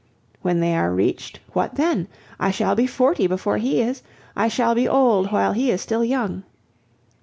When they are reached, what then? I shall be forty before he is; I shall be old while he is still young.